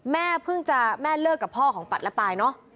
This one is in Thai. แม่เพิ่งจะแม่เลิกกับพ่อของปัดและปายเนอะ